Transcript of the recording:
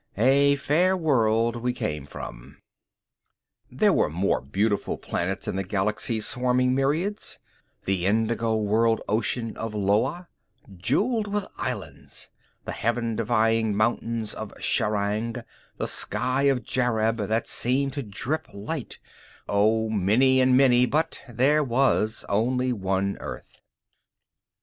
A fair world we came from. There were more beautiful planets in the Galaxy's swarming myriads the indigo world ocean of Loa, jeweled with islands; the heaven defying mountains of Sharang; the sky of Jareb, that seemed to drip light oh, many and many, but there was only one Earth.